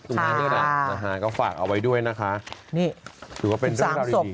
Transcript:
นี่แหละนะฮะก็ฝากเอาไว้ด้วยนะคะนี่ถือว่าเป็นเรื่องราวดี